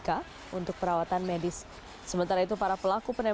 kalau oke kita buatnya terus